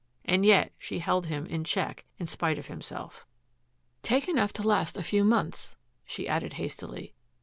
And yet she held him in check in spite of himself. "Take enough to last a few months," she added hastily.